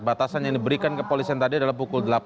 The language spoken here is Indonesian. batasan yang diberikan kepolisian tadi adalah pukul delapan